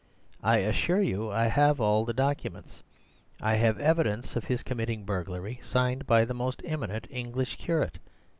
I assure you I have all the documents. I have evidence of his committing burglary, signed by a most eminent English curate.